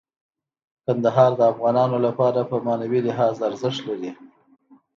کندهار د افغانانو لپاره په معنوي لحاظ ارزښت لري.